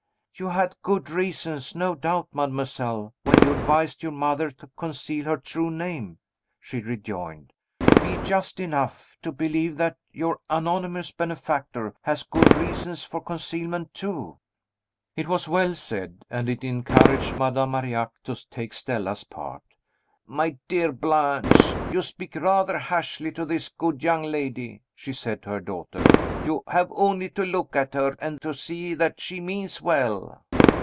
"You had good reasons, no doubt, mademoiselle, when you advised your mother to conceal her true name," she rejoined. "Be just enough to believe that your 'anonymous benefactor' has good reasons for concealment too." It was well said, and it encouraged Madame Marillac to take Stella's part. "My dear Blanche, you speak rather harshly to this good young lady," she said to her daughter. "You have only to look at her, and to see that she means well."